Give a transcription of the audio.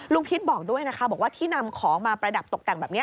คิดบอกด้วยนะคะบอกว่าที่นำของมาประดับตกแต่งแบบนี้